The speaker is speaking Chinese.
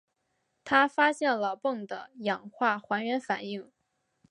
他发现了汞的氧化还原反应。